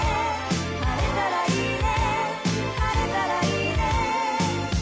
「晴れたらいいね」